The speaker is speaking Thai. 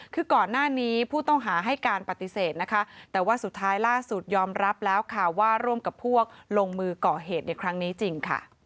คือก่อนหน้านี้ผู้ต้องหาให้การปฏิเสธนะคะแต่ว่าสุดท้ายล่าสุดยอมรับแล้วค่ะว่าร่วมกับพวกลงมือก่อเหตุในครั้งนี้จริงค่ะ